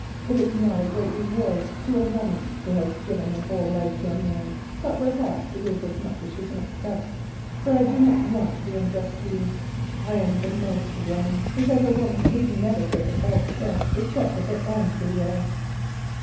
It is not a great reward to a woman who has given her whole life to a man, but perhaps it is as much as she can expect, for I do not want to be unjust to you. I am the most to blame, because we need never take a false step except of our own free will."